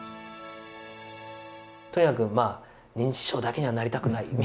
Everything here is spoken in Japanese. とにかくまあ「認知症だけにはなりたくない」